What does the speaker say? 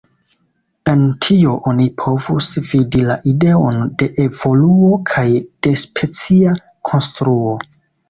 En tio oni povus vidi la ideon de evoluo kaj de specia konstruo.